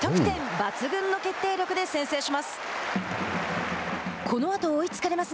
抜群の決定力で先制します。